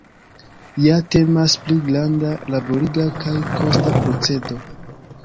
Ja temas pri granda, laboriga kaj kosta procedo.